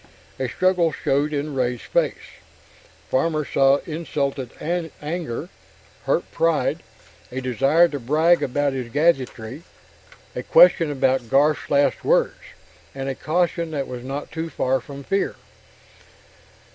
A struggle showed in Ray's face. Farmer saw insulted anger, hurt pride, a desire to brag about his gadgetry, a question about Garf's last words, and a caution that was not too far from fear.